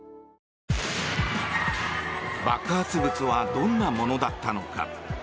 爆発物はどんなものだったのか。